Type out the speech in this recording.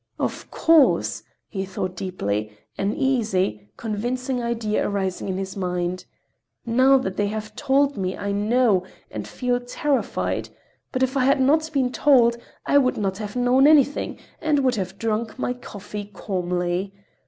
"Of course," he thought deeply, an easy, convincing idea arising in his mind. "Now that they have told me, I know, and feel terrified, but if I had not been told, I would not have known anything and would have drunk my coffee calmly.